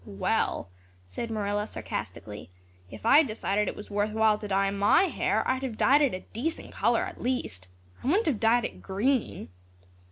"Well," said Marilla sarcastically, "if I'd decided it was worth while to dye my hair I'd have dyed it a decent color at least. I wouldn't have dyed it green."